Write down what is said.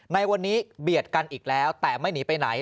ในวันนี้เบียดกันอีกแล้วแต่ไม่หนีไปไหน